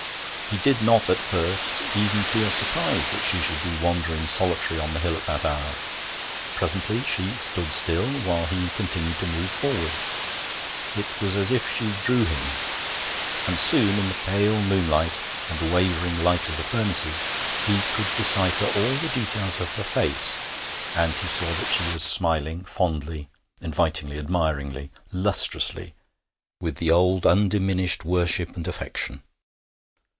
He did not at first even feel surprise that she should be wandering solitary on the hill at that hour. Presently she stood still, while he continued to move forward. It was as if she drew him; and soon, in the pale moonlight and the wavering light of the furnaces, he could decipher all the details of her face, and he saw that she was smiling fondly, invitingly, admiringly, lustrously, with the old undiminished worship and affection.